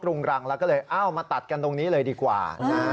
รุงรังแล้วก็เลยเอ้ามาตัดกันตรงนี้เลยดีกว่า